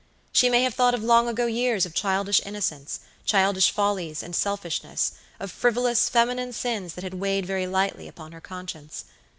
She may have thought of long ago years of childish innocence, childish follies and selfishness, of frivolous, feminine sins that had weighed very lightly upon her conscience.